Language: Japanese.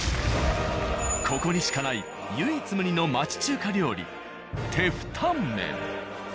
ここにしかない唯一無二の町中華料理テフタンメン。